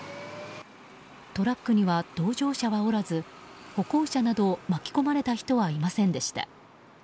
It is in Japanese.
トラックには同乗者はおらず歩行者など巻き込まれた人はいませんでした。